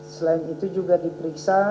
selain itu juga diperiksa